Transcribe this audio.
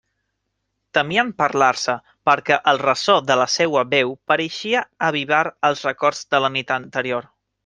Temien parlar-se, perquè el ressò de la seua veu pareixia avivar els records de la nit anterior.